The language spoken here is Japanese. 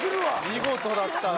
見事だったな。